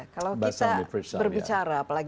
kalau kita berbicara